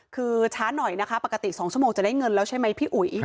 คือช้าหน่อยนะคะปกติ๒ชั่วโมงจะได้เงินแล้วใช่ไหมพี่อุ๋ย